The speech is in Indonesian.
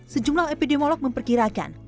sejumlah epidemiolog memperkirakan